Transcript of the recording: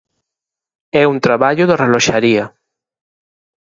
É un traballo de reloxaría.